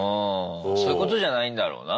そういうことじゃないんだろうな。